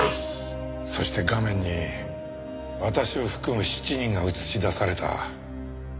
そして画面に私を含む７人が映し出された。